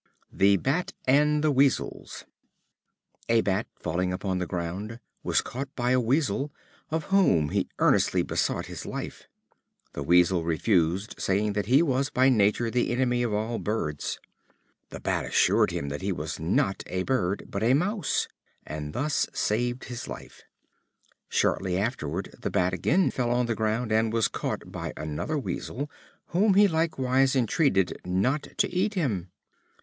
The Bat and the Weasels. A Bat, falling upon the ground, was caught by a Weasel, of whom he earnestly besought his life. The Weasel refused, saying that he was by nature the enemy of all birds. The Bat assured him that he was not a bird, but a mouse, and thus saved his life. Shortly afterward the Bat again fell on the ground, and was caught by another Weasel, whom he likewise entreated not to eat him.